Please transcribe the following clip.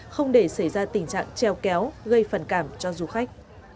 không để xảy ra tình trạng treo kéo gây phản cảm cho du khách